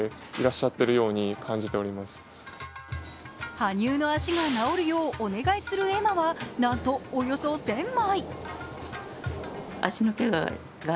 羽生の足が治るようお願いする絵馬は、なんとおよそ１０００枚。